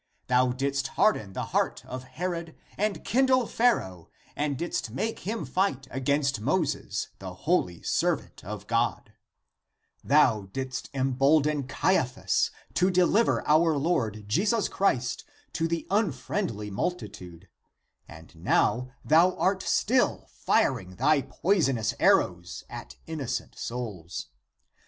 Thou didst harden the heart of Herod and kindle Pharaoh and didst make him fight against Moses, the holy servant of God ; thou didst embolden Caiaphas to deliver our Lord Jesus Christ to the unfriendly multitude; and now thou art still firing thy poisonous arrows at innocent souls.